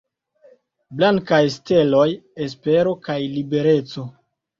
Blankaj steloj: espero kaj libereco.